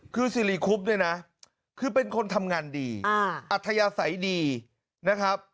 คือสิริคุบเนี่ยนะคือเป็นคนทำงานดีอัธยาศัยดีนะครับ